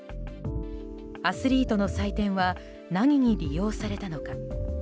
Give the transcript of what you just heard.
アスリートの祭典は何に利用されたのか。